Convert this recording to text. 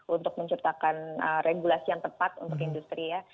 untuk menciptakan regulasi yang tepat untuk industri ya